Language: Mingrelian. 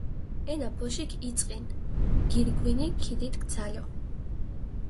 ენა ბოშიქ იწყინჷ, გირგვინი ქიგიდგჷ ძალო.